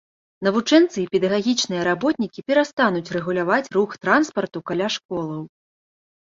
Навучэнцы і педагагічныя работнікі перастануць рэгуляваць рух транспарту каля школаў.